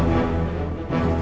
kurus cek lah afif